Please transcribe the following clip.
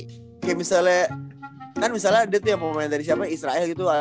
kayak misalnya kan misalnya dia tuh yang pemain dari siapa israel gitu